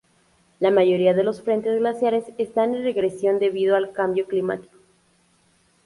La mayoría de los frentes glaciares están en regresión debido al cambio climático.